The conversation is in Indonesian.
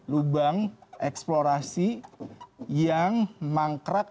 lubang eksplorasi yang mangkrak